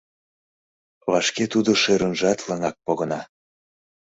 Вашке тудо шӧрынжат лыҥак погына.